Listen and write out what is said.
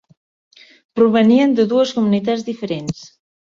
Provenien de dues comunitats diferents.